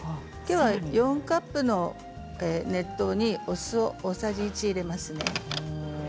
４カップの熱湯にお酢を大さじ１入れます。